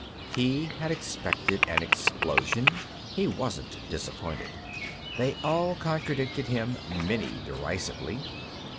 He had expected an explosion; he wasn't disappointed. They all contradicted him, many derisively.